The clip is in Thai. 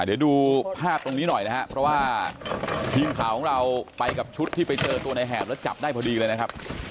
เดี๋ยวดูภาพตรงนี้หน่อยนะครับเพราะว่าทีมข่าวของเราไปกับชุดที่ไปเจอตัวในแหบแล้วจับได้พอดีเลยนะครับ